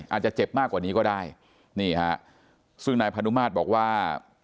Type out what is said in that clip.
อาจจะเจ็บมากกว่านี้ก็ได้นี่ฮะซึ่งนายพานุมาตรบอกว่า